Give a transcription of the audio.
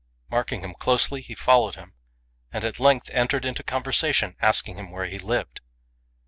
Marking him closely, he followed him, and at length entered into conversation, asking him where he lived.